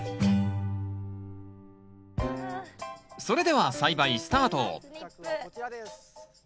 それでは栽培スタート